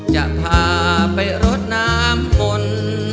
จะพาไปรถนามมนต์